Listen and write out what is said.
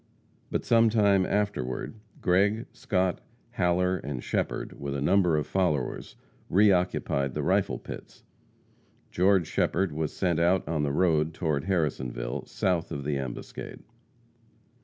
But sometime afterward, Gregg, Scott, Haller and Shepherd, with a number of followers, re occupied the rifle pits. George Shepherd was sent out on the road toward Harrisonville, south of the ambuscade.